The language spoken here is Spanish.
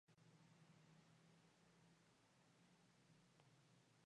La "Highway Agency" publica un mapa completo de troncales y autovías en Inglaterra.